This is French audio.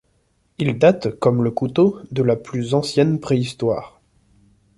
Il date, comme le couteau, de la plus ancienne préhistoire.